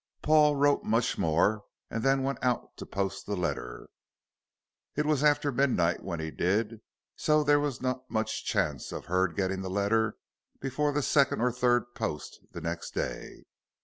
Paul wrote much more and then went out to post the letter. It was after midnight when he did, so there was not much chance of Hurd getting the letter before the second or third post the next day.